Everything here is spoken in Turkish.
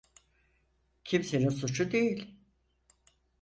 Kimsenin suçu değil.